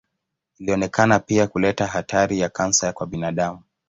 Ilionekana pia kuleta hatari ya kansa kwa binadamu.